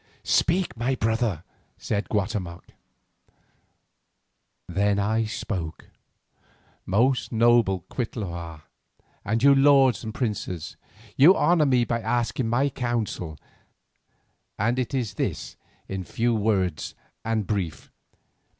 "Speak, my brother?" said Guatemoc. Then I spoke. "Most noble Cuitlahua, and you lords and princes. You honour me by asking my counsel, and it is this in few words and brief.